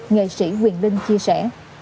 nghệ sĩ quyền linh chia sẻ